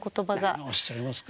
何をおっしゃいますか。